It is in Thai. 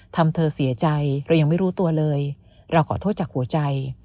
เธอเสียใจเรายังไม่รู้ตัวเลยเราขอโทษจากหัวใจ